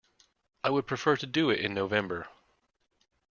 I would prefer to do it in November.